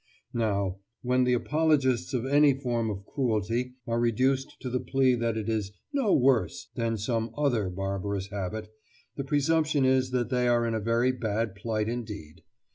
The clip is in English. Now, when the apologists of any form of cruelty are reduced to the plea that it is "no worse" than some other barbarous habit, the presumption is that they are in a very bad plight indeed.